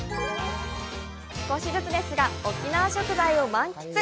少しずつですが、沖縄食材を満喫！